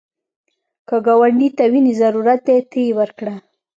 که ګاونډي ته وینې ضرورت دی، ته یې ورکړه